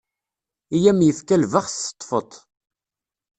I am-yefka lbext teṭfeḍ-t.